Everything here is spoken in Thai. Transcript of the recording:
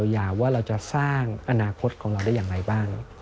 อยากว่าเราจะสร้างอนาคตของเราได้อย่างไรบ้าง